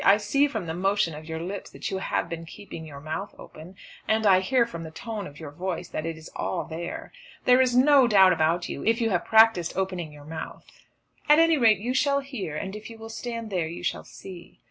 I see from the motion of your lips that you have been keeping your mouth open. And I hear from the tone of your voice, that it is all there. There is no doubt about you, if you have practised opening your mouth." "At any rate you shall hear, and if you will stand there you shall see."